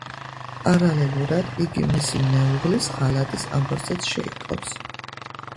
პარალელურად, იგი მისი მეუღლის ღალატის ამბავსაც შეიტყობს.